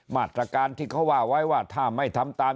มาตรการที่เขาว่าไว้ว่าถ้าไม่ทำตาม